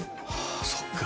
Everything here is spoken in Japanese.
ああそっか。